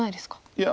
いや。